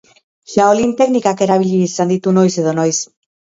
Shaolin teknikak erabili izan ditu noiz edo noiz.